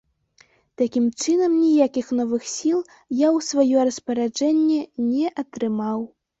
Такім чынам, ніякіх новых сіл я ў сваё распараджэнне не атрымаў.